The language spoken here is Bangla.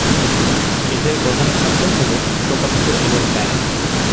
এদের প্রধান খাদ্য হল পোকামাকড় এবং ব্যাঙ।